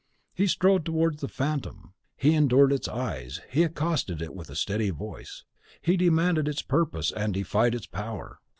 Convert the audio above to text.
He strode towards the phantom; he endured its eyes; he accosted it with a steady voice; he demanded its purpose and defied its power.